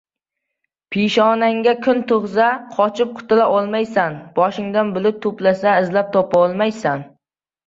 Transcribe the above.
Peshonangga kun tug‘sa, qochib qutula olmaysan, boshingda bulut to‘plansa, izlab topa olmaysan.